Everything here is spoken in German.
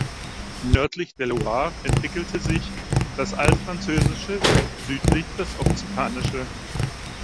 Nördlich der Loire entwickelte sich das Altfranzösische, südlich das Okzitanische.